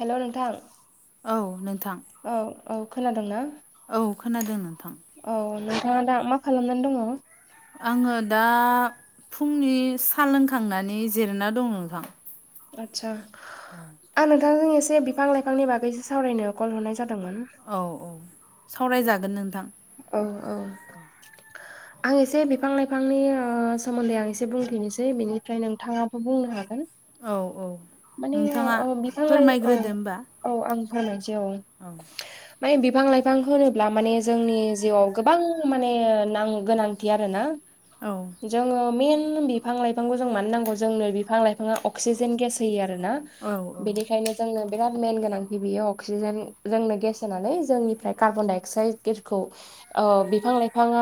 हेल' नोंथां। औ नोंथां औ औ खोनादोंना औ खोनादों नोंथां औ नोंथाङा दा मा खालामनानै दङ आङो दा फुंनि साल लोंखांनानै जिरना दं नोंथां आदसा आं नोंथांजों एसे बिफां-लाइफांनि बागैसो सावरायनो कल हरनाय जादोंमोन। औ औ सावरायजागोन नोंथां। औ औ आं एसे बिफां-लाइफांनि ओ सोमोन्दै आं एसे बुंथिनोसै बिनिफ्राय नोंथाङाबो बुंनो हागोन। औ औ माने नोंथाङा ओ बिफां लाइ औ फोरमायग्रोदो होनबा। औ आं फोरमायनोसै औ माने बिफां लाइफां होनोब्ला माने जोंनि जिउआव गोबां माने गोनांथि आरोना औ जोङो मेन बिफां लाइफांखौ जों मानो नांगौ जोंनो बिफां लाइफाङा अक्सिजेन गेस होयो आरोना औ बेनिखायनो जोंनो बिराद मेन गोनांथि बियो अक्सिजेन जोंनो गेस होनानै जोंनिफ्राय कार्बन डाइ अक्साइडखौ औ बिफां लाइफाङा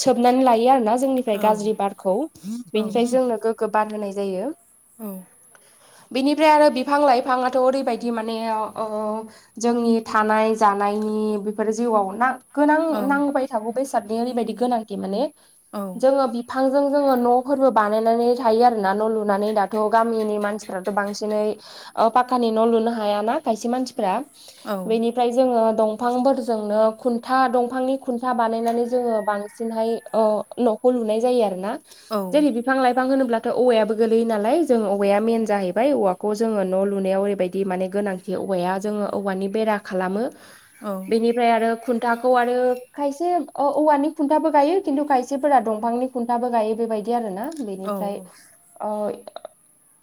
सोबनानै लायो आरो ना जोंनिफ्राय औ गाज्रि बारखौ औ बेनिफ्राय जोंनो गोग्गो बार होनाय जायो औ बिनिफ्राय आरो बिफां लाइफाङाथ' ओरैबायदि माने जोंनि थानाय जानायनि बेफोर जिउआव ना गोनां औ नांबाय थागौ बेसादनि ओरैबायदि गोनांथि माने औ जोङो बिफांजों जोङो न'फोरबो बानायनानै थायो आरोना न' लुनानै दाथ' गामिनि मानसि बांसिनै पाक्कानि न' लुनो हाय ना खायसे मानसिफ्रा औ बेनि ओमफ्राय जोङो दंफांफोरजोंनो खुन्था दंफांनि खुन्था बानायनानै जोङो बांसिनहाय न'खौ लुनाय जायो आरोोना औ जेरै बिफां लाइफां होनोब्लाथ' औवायाबो गोलैयो नालाय जों औवाया मेन जाहैबाय औवाखौ जोङो न' लुनायाव ओरैबायदि माने गोनांथि औवाया जोङो औवानि बेरा खालामो औ औ बिनि औ ओमफ्राय आरो खुन्थाखौ आरो खायसे औवानि खुन्थाबो गायो खिन्थु खायसेफोरा दंफांनि खुन्थाबो गायो बेबायदि आर ना बेनिफ्राय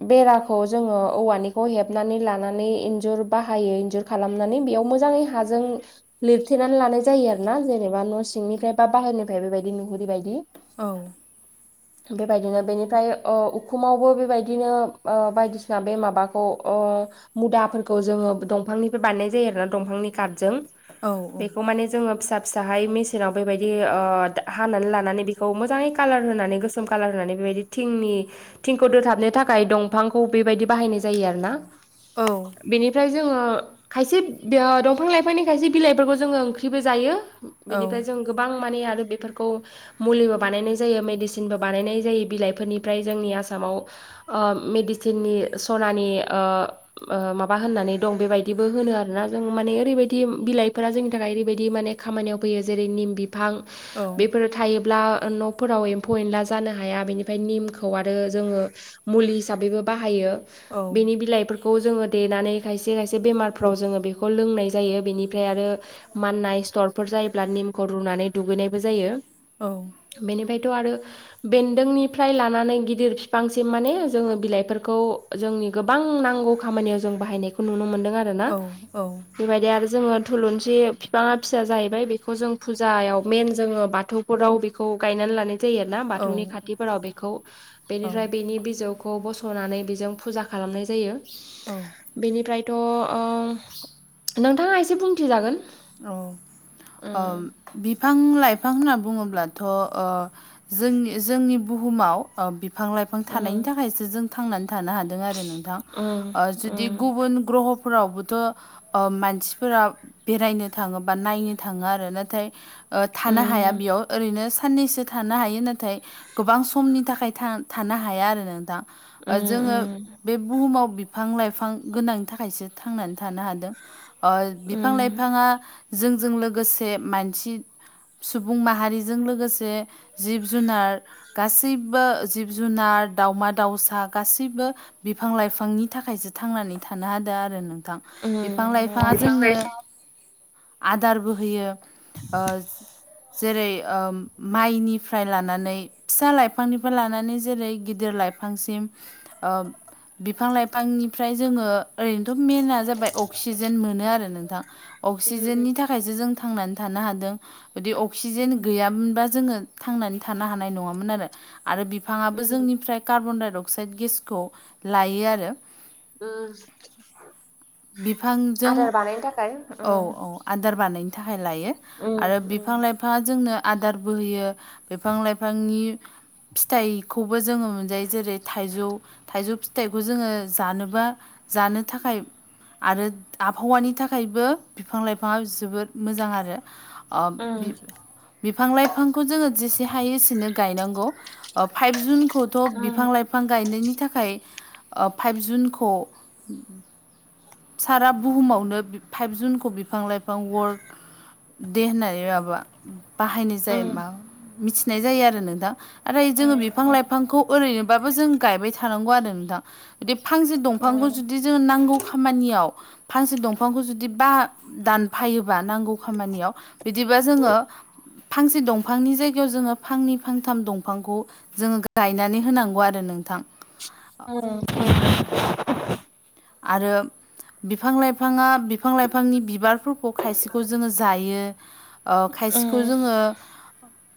बेराखौ जोङो औवानिखौ हेबनानै लानानै इन्जुर बाहायो इन्जुर खालामनानै बेयाव मोजाङै हाजों लिरथेनानै लानाय जायो आरो ना जेनेबा न' सिंनिफ्राय बा बाहेरनिफ्राय बेबायदि नुहुरै बदि औ बेबायदिनो बेनिफ्राय उखुमावबो बेबायदिनो बायदिसिना बे माबाखौ मुदाफोरखौ जोङो दंफांनिफ्राय बानायनाय जायो आरोना दंफांनि काटजों औ औ बेखौ माने जोङो फिसा फिसाहाय मेसिनाव बेबायदि हानानै लानानै बेखौ मोजाङै कालार होनानै गोसोम कालार होनानै बेबायदि थिंनि थिंखौ दोथाबनो थाखाय दं दफांखौ बेबायदि बाहायनाय जायो आरो ना औ बेनिफ्राय जोङो खायसे दंफां लाइफांनि खायसे बिलाइफोरखौ जोङो ओंख्रिबो जायो बेनिफ्राय जों गोबां माने आरो बेफोरखौ मुलिबो बानायनाय जायो मेडिसिनबो बानायनाय जायो बिलाइफोरनिफ्राय जोंनि आसामाव मेडिसिननि सनानि ओ माबा होननानै दं बेबायदिबो होनो आरोना जों माने ओरैबायदि बिलाइफोरा जोंनि थाखाय ओरैबायदि माने खामानियाव फैयो जेरै निम बिफां बेफोर औ थोयोब्ला न'फोराव एमफौ एनला जानो हाया बेनिफ्राय निमखौ आरो जों मुलि हिसाब हिसाबैबो बाहायो बेनि बिलाइफोर खौ जोंङो देनानै खायसे खायसे बेमारफ्राव जोंङो बेखौ लोंनाय जायो बेनिफ्राय आरो माननाय स्थरफोर जायोब्ला निमखौ रुनानै दुगैनायबो जायो औ बेनिफ्रायथ' आरो बेन्दोंनिफ्राय लानानै गिदिर बिफांसिम माने जोंङो बिलाइफोरखौ जोंनि गोबां नांगौ खामानियाव जों बाहायनायखौ नुनो मोनदों आ रोना बेबायदि आरो जोंङो थुलुंसि बिफाङा फिसा जाहैबाय बेखौ जों फुजायाव मेन जोंङो बाथौ खराव बेखौ गायनानै लानाय जायो आरो ना बाथौनि खाथिफोराव बेखौ बेनिफ्राय बेनि बिजौ खौ बस'नानै बेजों फुजा खालामनाय जायो औ बेनिफ्रायथ' ओ नोंथांङा एसे बुंथिजागोन औ उम बिफां लाइफां होनना बुंङोब्लाथ' ओ जोंनि जोंनि बुहुमाव ओ बिफां लाइ फां थानायनि उम थाखायसो जों थांनानै थानो हादों आरो नोंथां उम ओ जुदि गुबुन ग्रह फोरावबोथ'ओ मानसिफोरा बेरायनो थाङोबा नायनो थांङो नाथाय ओ उम थानो हाया बेयाव ओरैनो सानैसो थानो हायो नाथाय गोबां समनि थाखाय थानो हाया आरो नोंथां जोंङो उम बे बुहुमाव बिफां लाइफां गोनांनि थाखायसो थांनानै थानो हादों। ओ उम बिफां लाइफांङा जोंजों लोगोसे मानसि सुबुं माहारिजों लोगोसे जिब जुनार गासैबो जिब जुनार दावमा दाउसा गासैबो बिफां लाइफांनि थाखायसो थांनानै थानो हादों आरो नोंथां बिफां उम लाइफांङा बिफां जोंनो लाइफां आदारबो होयो ओ जेरै ओ माइनिफ्राय लानानै फिसा लाइफांनिफ्राय लानानै जेरै गिदिर लाइ फांसिम ओ बिफां लाइफांनिफ्राय जोंङो ओरैनोथ' मेनाआ जाबाय अक्सिजेन मोनो आरो नोंथां उम अक्सिजेननि था थाखायसो जों थांनानै थानो हादों जदि अक्सिजेन गैयामोनबा जोंङो थांनानै थानो हानाय नंङामोन आरो आरो बिफांङाबो उम जोंनिफ्राय कार्बनडाइ अक्साइद गेसखौ लायो आरो बिफांजों आदार बानायनो थाखाय औ औ आदार बानायनो थाखाय लायो उम आरो उम बिफां लाइफांङा जोंनो आदार बो होयो बिफां लाइफांनि फिथाइखौबो जोंङो मोनजायो जेरै थाइजौ थाइजौ फिथाइखौ जोंङो जानोबा जानो थाखाय आरो आबहावानि थाखायबो बिफां लाइफांङा जोबोद मोजां आरो ओब उम बि बिफां लाइफांखौ जोंङो जेसे हायो एसेनो गायनांगौ। फाइभ जुनखौथ' बिफां उम लाइ फां गायनायनि थाखाय ओ फाइभ जुनखौ सारा बुहुमावनो फाइभ जुनखौ बिफां लाइफां वर्ड दे होननानै माबा बाहायनाय जायो उम मा मिथिनाय जायो आरो नोंथां आरो उम जोंङो बिफां लाइफांखौ ओरैनोबाबो जों गायबाय थानांगौ आरो नोंथां बिदि फांसे दंफांखौ उम जुदि जोंनो नांगौ खामानियाव फांसे दंफांखौ जु दि बा दानफायोबा नांगौ खामानियाव बिदिबा जोंङो फांसे दंफांनि जायगायाव जोंङो फांनै फांथाम दंफांखौ जोंङो गायनानै होनांगौ आरो नोंथां। ओम औ [unintelligible] आरो बिफां लाइफांङा बिफां लाइफांनि बिबारफोरखौ खायसेखौ जोंङो जायो। ओ खायसेखौ उम जोंङो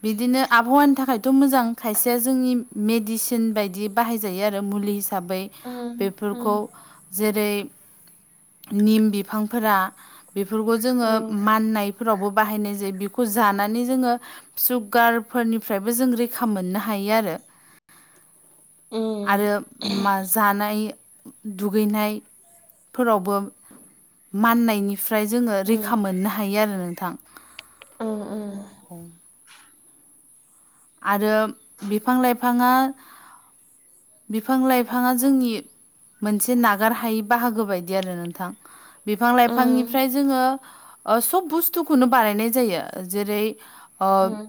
बिदिनो आबहावानि थाखायथ' मोजां खायसेया जोंनि मेडिसिन बायदि बाहायजायो आरो मुलि हिसाबै उम उम बेफोरखौ जेरै [inaudible] निम बिफांफोरा बेफोरखौ जोङो माननायफोरावबो बाहायनाय जायो बेखौ जानानै जोङो सुगारफोरनिफ्रायबो जों रैखा मोननो हायो आरो। [inaudible] आरो उम मा जानाय दु दुगैनायफोरावबो माननायनिफ्राय जोङो रैखा मोननो हा हायो आरो नोंथां औ आरो बिफां लाइफाङा बिफां लाइफाङा जोंनि मोनसे नागार हायै बाहागो बायदि आरो नोंथां। बिफां लाइफांनिफ्राय जोङो सब बुस्थुखौनो बानायनाय जायो जेरै ओ उम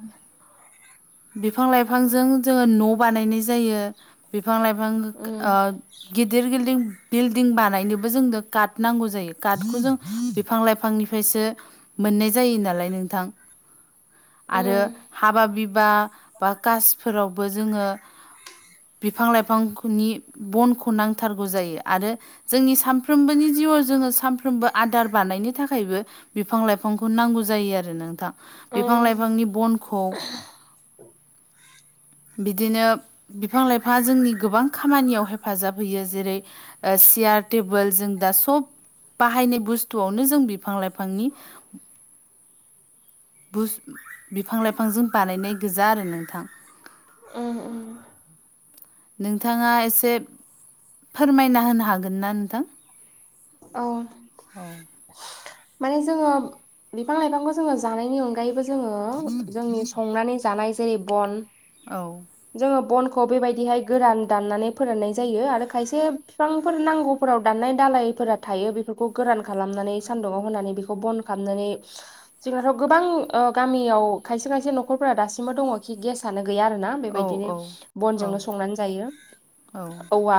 बिफां लाइफांजों जोङो न' बानायनाय जायो। बिफां लाइफां ओ गि गिदिर गिदिं बिल्डिं बानायनोबो जोंनो कार्ट नांगौ जायो कार्टखौ जों बिफां लाइफांनिफ्रायसो मोननाय जायो नालाय नोंथां। आरो हाबा बिबा बा कासफोरावबो जोङो बिफां लाइफांनि बनखौ नांथारगौ जायो आरो। जोंनि सानफ्रोमबोनि जिउआव जोङो सानफ्रोमबो आदार बानायनो थाखायबो बिफां लाइफांखौ नांगौ जायो आरो नोंथां। बिफां उम लाइफांनि बनखौ बिदिनो बिफां लाइफाङा जोंनि गोबां खामानियाव हेफाजाब होयो। जेरै ओ सियार टेबोल जों दा सब बाहायनाय बुस्थुआवनो जों बिफां लाइफांनि बुस- बिफां लाइफांजों बानायनाय गोजा आरो नोंथां। उम उम नोंथाङा एसे फोरमायना होनो हागोन ना नोंथां? औ औ माने जोङो बिफां लाइफांखौ जोङो जानायनि अनगायैबो जोङो जोंनि संनानै जानाय जेरै बन औ जोङो बनखौ बेबायदिहाय गोरान दाननानै फोराननाय जायो आरो खायसे बिफांफोर नांगौफोराव दाननाय दालाय फोर थायो बेफोरखौ गोरान खालामनानै सान्दुुङाव होनानै बेखौ बन खालामनानै जोंनाथ' गोबां गामियाव खायसे खायसे न'खरफोरा दासिमबो दङ खि गेसानो गैया आरोना। औ अ औ बेबायदिनो बनजोंनो संनानै जायो। औवा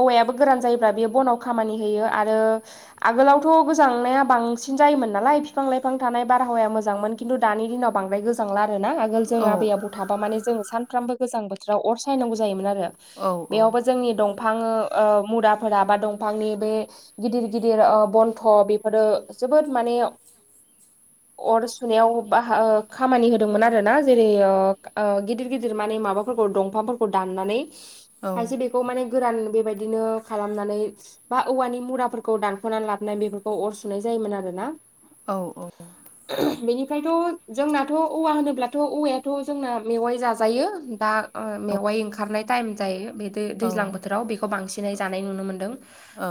औवायाबो गोरान जायोब्ला बेयो बनाव खामानि होयो। आरो आगोलावथ' गोजांनाया बांसिन जायोमोन नालाय बिफां लाइफां थानाय बारहावाया मोजांमोन। खिन्थु दानि दिनाव बांद्राय गोजांला आरो ना। आगोल जों आबै आबौ थाबा मान जों सानफ्रामबो गोजांबोथोराव अर सायनांगौ जायोमोन आरो। बेयावबो जोंनि दंफां मुराफोरा बा दंफांनि बे गिदिर गिदिर ओ बन्थ' बेफोरो जोबोद माने अर सुनायाव बा- हो- खामानि होदोंमोन आरो ना जेरै गिदिर गिदिर माने माबा दंफांफोरखौ दाननानै खायसे बेखौ माने गोरान बेबायदिनो खालामनानै बा औवानि मुराफोरखौ दानफ'नानै लाबोन बेफोरखौ अर सुनाय जायोमोन आरो ना। औ औ बेनिफ्रायथ' जोंनाथ' औवा होनोब्लाथ' औवायाथ' जोंना मेवाइ जाजायो। दा ओ मेवाइ ओंखारनाय टाइम जायो बे दै-दैज्लां बोथोराव बेखौ बांसिनै जानाय नुनो मोन्दों।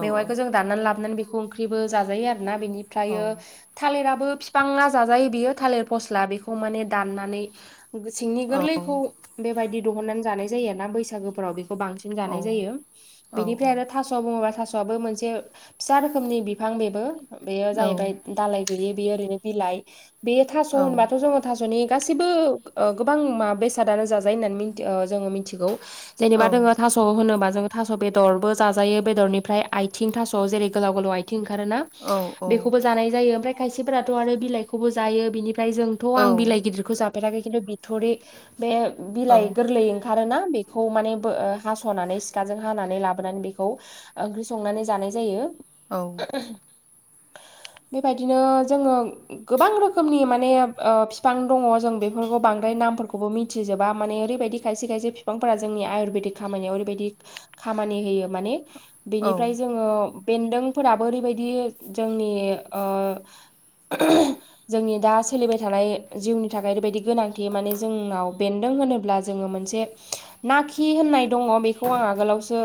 मेवाइखौ जों दाननानै लाबोनानै बेखौ ओंख्रिबो जाजायो आरोना। बेनिफ्रायो थालिराबो बिफाङा जाजायो बेयो थालिर फस्ला बेखौ माने दाननानै सिंनि गोरलैखौ बेबायदि दिहुननानै जानाय जायो ना बैसागोफोराव बे खौ बांसिन जानाय जायो। बेनिफ्राय आरो थास' बुङोबा थास' बाबो मोनसे फिसा रोखोमनि बिफां बेबो। बेयो जाहैबाय दालाय गैययो बे ओरैनो बिलाइ बे थास' होनबाथ' जोङो थास'नि गाैबो गोबां म बेसादानो जाजायो होननानैथि जोङो मिथिगौ जेनेबा दोङो थास' होनोबा जोङो थास' बेदरबो जाजायो। बेदरनिफ्राय आइथिं थास' जेरै गोलाव गोलाव आथिं ओंखारोना बेखौबो जानाय जायो। ओमफ्राय खायसेफोराथ' आरो बिलाइखौबो जायो बिनिफ्राय जोंथ' आं बिलाइ गिदिरखौ जा फेराखै खिन्थु बिथ'रि बे औ बिलाइ गोरलै ओं खारोना बेखौ माने बो ओ हास'नानै सिखाजों हानानै लाबोनानै बेखौ ओंख्रै संनानै जानाय जायो। औ। ओ बेबायदिनो जोङो गोबां रोखोमनि माने ओ बिफां दङ जों बेफोरखौ बांद्राय नामफोरखौबो मिथिजोबा माने ओरैबायदि खायसे खायसे बिफांफोरा जोंनि आयुरवेदिक खामानियाव ओरैबायदि खामानि होयो माने बेनिफ्राय जोङो बेन्दोंफोराबो ओरैबायदि जोंनि ओ [inaudible] जोंनि दा सोलिबाय थानाय जिउनि थाखाय ओरैबायदि गोनांथि माने जोंनाव बेन्दों होनोब्ला जोङो मोनसे नाखि होननाय दङ बेखौ आं आगोलावसो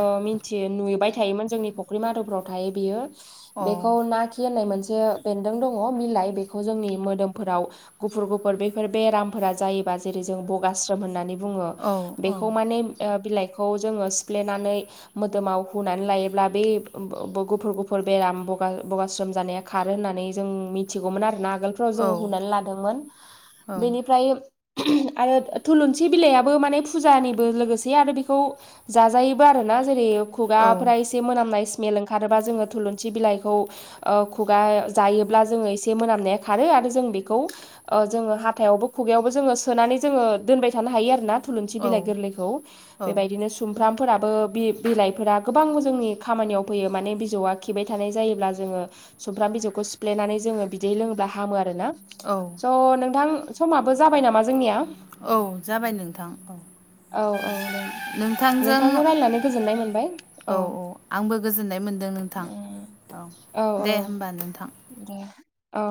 ओ मिनथि नुबाय थायोमोन। जोंनि फुख्रि मारू'फ्राव थायो बियो। बेखौ ना खि होननाय मोनसे बेन्दों दङ मिलाइ बेखौ जोंनि मोदोमफोराव गुफुर गुफुर बेफोर बेरामफोरा जायोबा जेरै जों बगाश्रम होननानै बुङो‌ बेखौ माने बिलाइखौ जोङो सिफ्लेनानै मोदोमाव हुनानै लायोब्ला बे ओ गुफुर गुफुर बेराम बगा बगास्रोम जानाया खारो होननानै जों मिथिगौमोन आरोना आगोलफ्राव जों हुनानै लादोंमोन। बेनिफ्राय आरो थुलुंसि बिलाइयाबो माने फुजानिबो लोगोसे आरो बेखौ जाजायोबो आरो ना जेरै खुगाफ्रा एसे एसे मोनामनाय स्मेल ओंखारोबा जोङो थुलुंसि बिलाइखौ ओ खुगा जायोब्ला जोङो एसे मोनामनाया खारो आरो जों बेखौ ओ जोङो हाथायावबो खुगायावबो जोङो सोनानै जोङो दोनबाय थानो हायो आरो ना। थुलुंसि बिलाइ गोरलैखौ। बेबायदिनो सुमफ्रामफोराबो बि बिलाइफोरा गोबां जोंनि खामानियाव फैयो माने बिजौआ खिबाय थानाय जायोब्ला जोङो सुमफ्राम बिजौखौ सिफ्लेनानै जोङो बिदै लोङोब्ला हामो आरोना। औ स' नोंथां समाबो जाबाय नामा जोंनिया औ जाबाय नोंथां औ। औ औ दे। नोंथांजों रायलायनानै गोजोननाय मोनबाय औ औ आंबो गोजोननाय मोनदों नोंथां। औ दे होमबा नोंथां। दे औ।